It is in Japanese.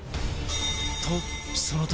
とその時！